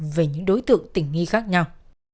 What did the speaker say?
về những đối tượng tình nghi khác nhau